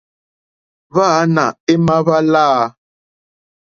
Hwáǎnà émá hwá láǃá.